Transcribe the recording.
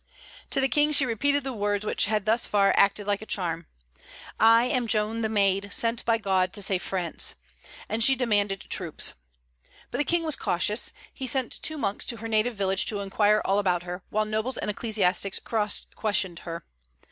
To the King she repeated the words which had thus far acted liked a charm: "I am Joan the Maid, sent by God to save France;" and she demanded troops. But the King was cautious; he sent two monks to her native village to inquire all about her, while nobles and ecclesiastics cross questioned her.